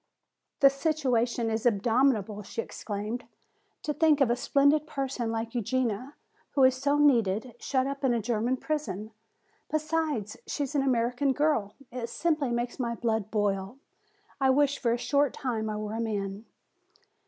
"The situation is abominable!" she exclaimed. "To think of a splendid person like Eugenia, who is so needed, shut up in a German prison! Besides, she is an American girl! It simply makes my blood boil. I wish for a short time I were a man."